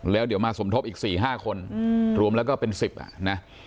แล้วเดี๋ยวมาสมทบอีกสี่ห้าคนอืมรวมแล้วก็เป็นสิบอ่ะนะ